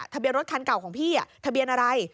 ทะเบียนรถคันเก่าของพี่ทะเบียนอะไร